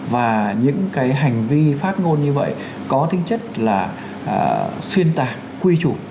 và những cái hành vi phát ngôn như vậy có tính chất là xuyên tạc quy chủ